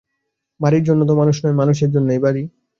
বাড়ির জন্যে তো মানুষ নয়, মানুষের জন্যই বাড়ি।